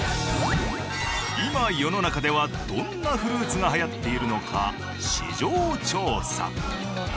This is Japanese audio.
今世の中ではどんなフルーツが流行っているのか市場調査。